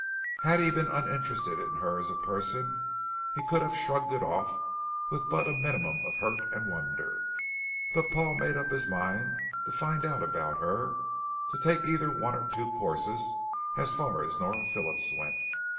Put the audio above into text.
Had he been uninterested in her as a person, he could have shrugged it off with but a minimum of hurt and wonder. But Paul made up his mind to find out about her, to take either one of two courses as far as Nora Phillips went.